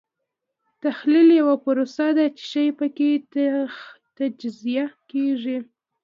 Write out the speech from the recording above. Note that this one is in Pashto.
تحلیل یوه پروسه ده چې شی پکې تجزیه کیږي.